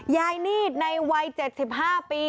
นีดในวัย๗๕ปี